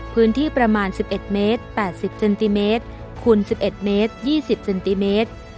พื้นที่ประมาณ๑๑เมตร๘๐เซนติเมตรคูณ๑๑เมตร๒๐เซนติเมตร